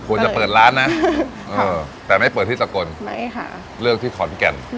เปิดร้านนะเออแต่ไม่เปิดที่สกลไม่ค่ะเลือกที่ขอนแก่น